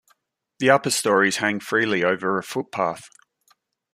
The upper storeys hang freely over a footpath.